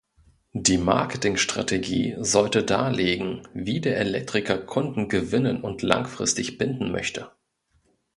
Die Marketingstrategie sollte darlegen, wie der Elektriker Kunden gewinnen und langfristig binden möchte.